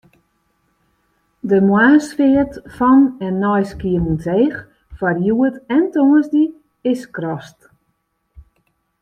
De moarnsfeart fan en nei Skiermûntseach foar hjoed en tongersdei is skrast.